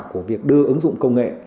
của việc đưa ứng dụng công nghệ